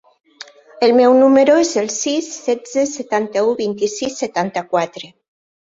El meu número es el sis, setze, setanta-u, vint-i-sis, setanta-quatre.